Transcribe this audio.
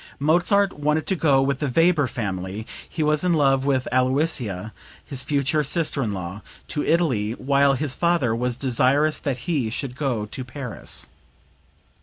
Mozart wanted to go with the Weber family (he was in love with Aloysia, his future sister in law) to Italy while his father was desirous that he should go to Paris.)